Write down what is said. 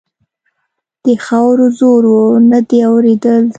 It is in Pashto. د خاورو زور و؛ نه دې اورېدل.